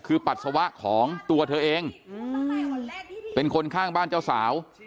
คือปัสสาวะของตัวเธอเองเป็นคนข้างบ้านเจ้าสาว